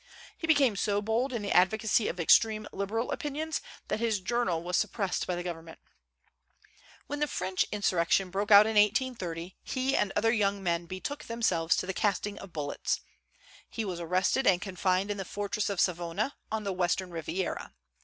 He became so bold in the advocacy of extreme liberal opinions that his journal was suppressed by government. When the French insurrection broke out in 1830, he and other young men betook themselves to the casting of bullets. He was arrested, and confined in the fortress of Savona, on the western Riviera.